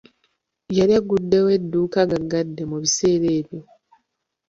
Yali aguddewo edduuka gaggade mu biseera ebyo.